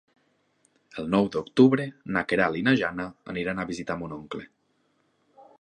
El nou d'octubre na Queralt i na Jana aniran a visitar mon oncle.